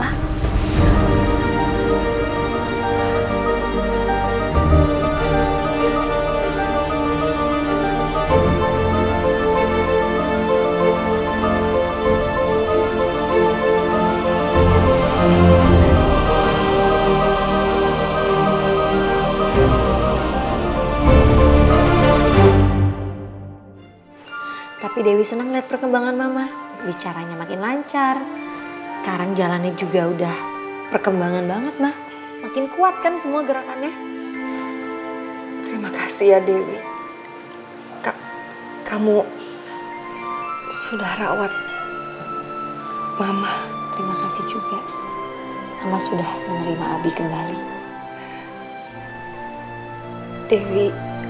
hai hai hai hai hai hai hai hai hai hai hai hai hai hai hai hai hai hai hai hai hai hai tapi dewi senang lihat perkembangan mama bicaranya makin lancar sekarang jalannya juga udah perkembangan banget mah makin kuatkan semua gerakannya terima kasih ya dewi kamu sudah rawat mama terima kasih juga sudah menerima abi kembali dewi